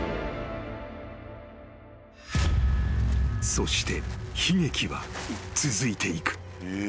［そして悲劇は続いていく］